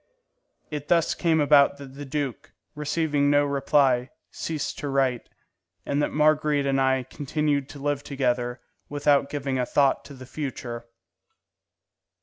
It thus came about that the duke, receiving no reply, ceased to write, and that Marguerite and I continued to live together without giving a thought to the future.